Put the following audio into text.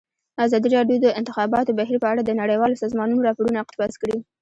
ازادي راډیو د د انتخاباتو بهیر په اړه د نړیوالو سازمانونو راپورونه اقتباس کړي.